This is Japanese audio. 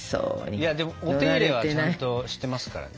いやでもお手入れはちゃんとしてますからね。